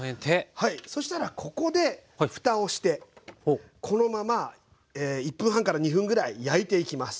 そしたらここでふたをしてこのまま１分半から２分ぐらい焼いていきます。